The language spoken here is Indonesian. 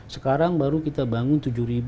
sekarang baru kita bangun